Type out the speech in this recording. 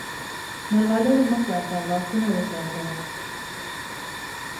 مرغلرې مه ساته، غاښونه وساته!